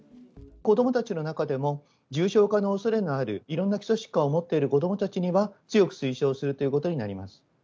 子どもたちの中でも、重症化のおそれのある、いろんな基礎疾患を持っている子どもたちには、強く推奨するということになります。